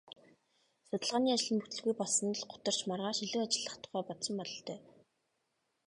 Судалгааны ажил нь бүтэлгүй болсонд л гутарч маргааш илүү ажиллах тухай бодсон бололтой.